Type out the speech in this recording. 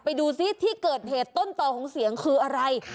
ดูสิที่เกิดเหตุต้นต่อของเสียงคืออะไร